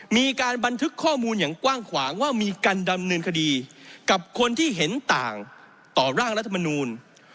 มีการบันทึกข้อมูลอย่างกว้างขวางว่ามีการดำเนินคดีกับคนที่เห็นต่างต่อร่างรัฐมนูล